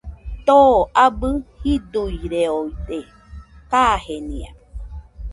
Too abɨ jiduireoide kajenia.